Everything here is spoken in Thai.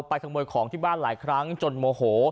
ขโมยของที่บ้านหลายครั้งจนโมโห